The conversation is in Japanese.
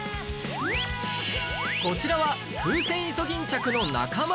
こちらはフウセンイソギンチャクの仲間